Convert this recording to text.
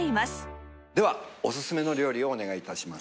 ではおすすめの料理をお願い致します。